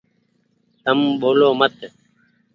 تم ٻولو مت ۔